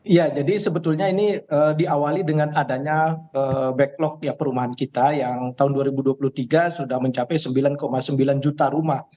ya jadi sebetulnya ini diawali dengan adanya backlog perumahan kita yang tahun dua ribu dua puluh tiga sudah mencapai sembilan sembilan juta rumah